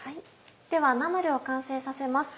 ではナムルを完成させます。